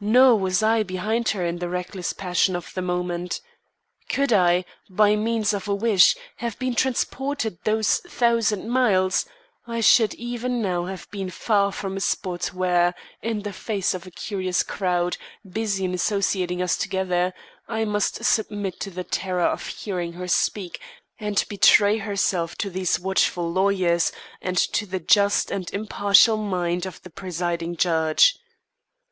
Nor was I behind her in the reckless passion of the moment. Could I, by means of a wish, have been transported those thousand miles, I should even now have been far from a spot where, in the face of a curious crowd, busy in associating us together, I must submit to the terror of hearing her speak and betray herself to these watchful lawyers, and to the just and impartial mind of the presiding judge.